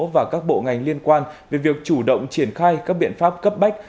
và các bộ ngành liên quan về việc chủ động triển khai các biện pháp cấp bách